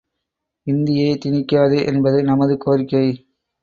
இந்தியைத் திணிக்காதே! என்பது நமது கோரிக்கை!